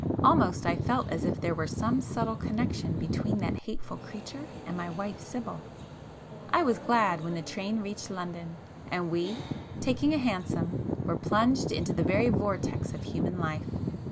Almost I felt as if there were some subtle connection between that hateful creature and my wife Sibyl. I was glad when the train reached London, and we, taking a hansom, were plunged into the very vortex of human life.